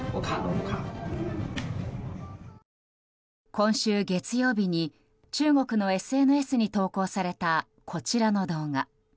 今週月曜日に、中国のＳＮＳに投稿されたこちらの動画。